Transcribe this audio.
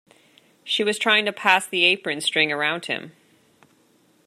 She was trying to pass the apron string around him.